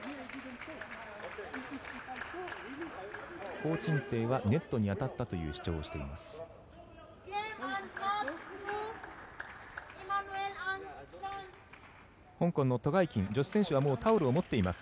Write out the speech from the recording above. コウ・チンテイはネットに当たったという主張をしています。